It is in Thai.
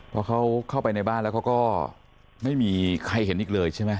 พอเขาเข้าไปในบ้านแล้วเขาก็ไม่มีใครเห็นอีกเลยใช่ไหม